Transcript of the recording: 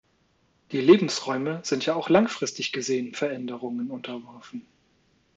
Die Lebensräume sind ja auch langfristig gesehen Veränderungen unterworfen.